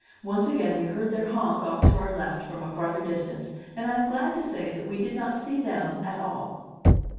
Once again we heard their honk off to our left, from a farther distance, and I am glad to say that we did not see them at all.